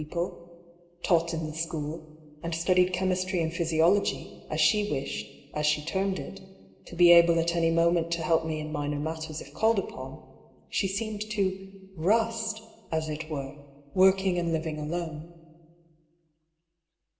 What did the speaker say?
people, taught in the school, and studied chemistry and physiology, as she wished, as she termed it, to be able at any moment to help me in minor matters if called upon, she seemed to rust^ as it were, working and living alone.